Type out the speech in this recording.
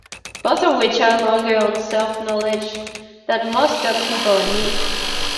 Both of which are longer on self-knowledge than most dumb people I meet.